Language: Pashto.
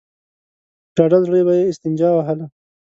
په ډاډه زړه به يې استنجا وهله.